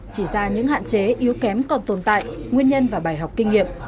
chỉ ra những hạn chế yếu kém còn tồn tại nguyên nhân và bài học kinh nghiệm